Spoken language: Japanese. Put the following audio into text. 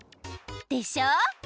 でしょ！